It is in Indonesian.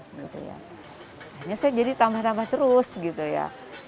akhirnya saya jadi tambah tambah terus gitu ya